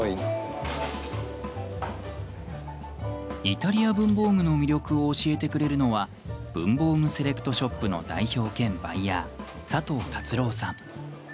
イタリア文房具の魅力を教えてくれるのは文房具セレクトショップの代表兼バイヤー、佐藤達郎さん。